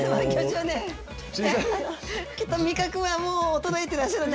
きっと味覚はもう衰えてらっしゃる。